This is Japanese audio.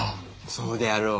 そうであろう？